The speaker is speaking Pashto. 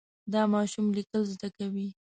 دا ماشوم لیکل زده کوي.